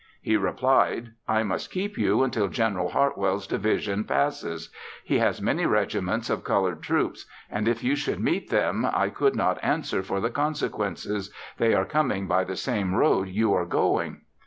He replied "I must keep you until General Hartwell's division passes. He has many regiments of colored troops and if you should meet them I could not answer for the consequences, they are coming by the same road you are going."